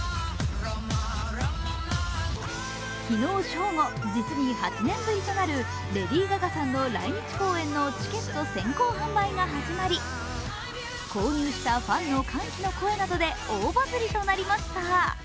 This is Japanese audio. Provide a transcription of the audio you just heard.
昨日正午、実に８年ぶりとなるレディー・ガガさんの来日公演のチケット先行公演が始まり購入したファンの歓喜の声などで大バズりとなりました。